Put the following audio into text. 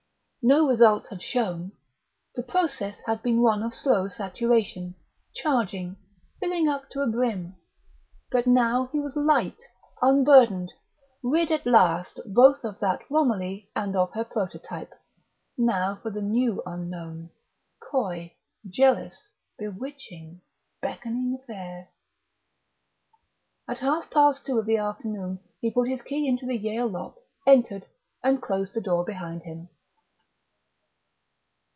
No results had shown. The process had been one of slow saturation, charging, filling up to a brim. But now he was light, unburdened, rid at last both of that Romilly and of her prototype. Now for the new unknown, coy, jealous, bewitching, Beckoning Fair!... At half past two of the afternoon he put his key into the Yale lock, entered, and closed the door behind him....